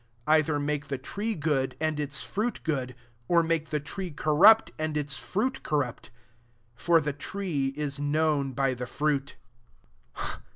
S3 Either make the tree good, and its fruit good; or make the tree corrupt, and its fruit corrupt: for the tree is known by the fruit.